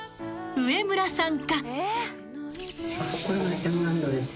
上村さんか？］